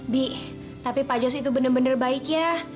bi tapi pak jos itu bener bener baik ya